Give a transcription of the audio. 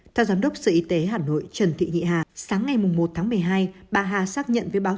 theo giám đốc sở y tế hà nội trần thị nhị hà sáng ngày một tháng một mươi hai bà hà xác nhận với báo